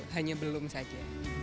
hanya belum saja